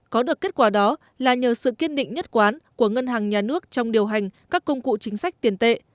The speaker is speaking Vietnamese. có được kết quả đó là nhờ sự kiên định nhất quán của ngân hàng nhà nước trong điều hành các công cụ chính sách tiền tệ